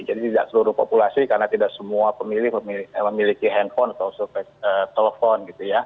jadi tidak seluruh populasi karena tidak semua pemilih memiliki handphone atau survei telepon